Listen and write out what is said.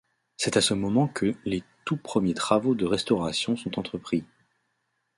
C’est à ce moment que les tout premiers travaux de restauration sont entrepris.